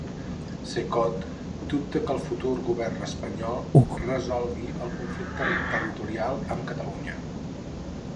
Cecot dubta que el futur govern espanyol resolgui el conflicte territorial amb Catalunya.